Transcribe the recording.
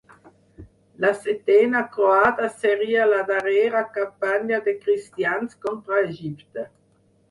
La setena croada seria la darrera campanya de cristians contra Egipte.